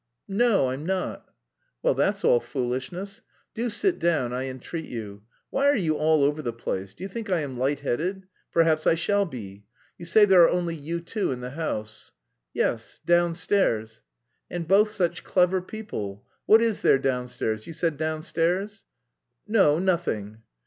"No, I'm not." "Well, that's all foolishness. Do sit down, I entreat you. Why are you all over the place? Do you think I am lightheaded? Perhaps I shall be. You say there are only you two in the house." "Yes.... Downstairs..." "And both such clever people. What is there downstairs? You said downstairs?" "No, nothing."